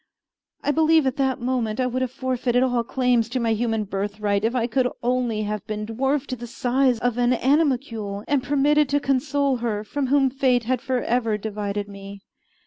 I believe at that moment I would have forfeited all claims to my human birthright if I could only have been dwarfed to the size of an animalcule, and permitted to console her from whom fate had forever divided me.